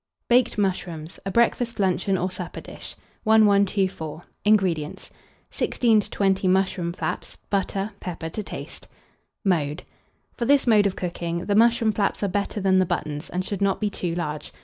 BAKED MUSHROOMS. (A Breakfast, Luncheon, or Supper Dish.) 1124. INGREDIENTS. 16 to 20 mushroom flaps, butter, pepper to taste. Mode. For this mode of cooking, the mushroom flaps are better than the buttons, and should not be too large.